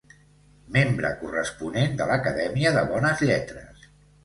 Membre corresponent de l'Acadèmia de Bones Lletres.